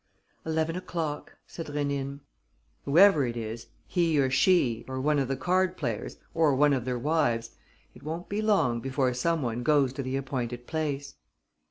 "Eleven o'clock," said Rénine. "Whoever it is, he or she, or one of the card players, or one of their wives, it won't be long before some one goes to the appointed place."